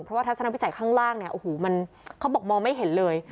เพราะว่าทัศนวิสัยข้างล่างเนี่ยโอ้โหมันเขาบอกมองไม่เห็นเลย